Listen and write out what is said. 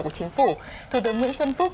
của chính phủ thủ tướng nguyễn xuân phúc